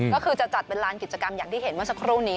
ก็คือจะจัดเป็นลานกิจกรรมอย่างที่เห็นเมื่อสักครู่นี้